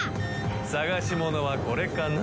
捜し物はこれかな？